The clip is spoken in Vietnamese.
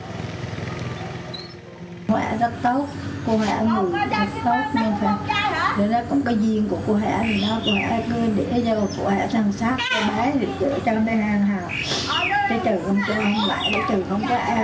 cô hả rất tốt cô hả người rất tốt nên phải có cái duyên của cô hả